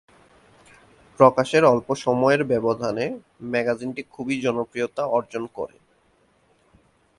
প্রকাশের অল্প সময়ের ব্যবধানে ম্যাগাজিনটি খুবই জনপ্রিয়তা অর্জন করে।